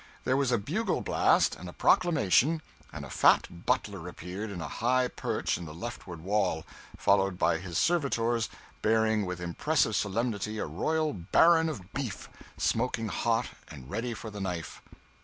There was a bugle blast and a proclamation, and a fat butler appeared in a high perch in the leftward wall, followed by his servitors bearing with impressive solemnity a royal baron of beef, smoking hot and ready for the knife.